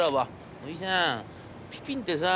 『おじさんピピンってさ